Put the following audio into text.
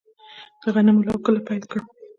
د غنمو لو کله پیل کړم؟